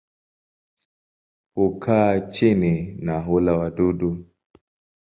Hukaa chini na hula wadudu.